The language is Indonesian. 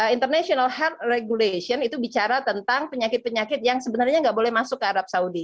international heart regulation itu bicara tentang penyakit penyakit yang sebenarnya nggak boleh masuk ke arab saudi